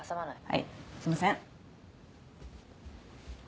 はいすいません